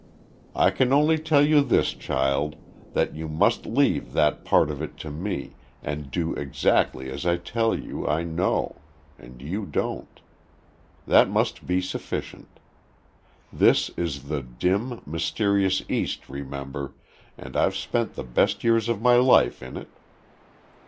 "I can only tell you this, child, that you must leave that part of it to me, and do exactly as I tell you I know and you don't. That must be sufficient. This is the dim, mysterious East, remember, and I've spent the best years of my life in it."